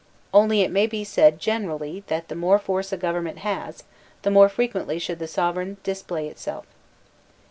Only it may be said generally that the more force a government has the more frequently should the sovereign display itself.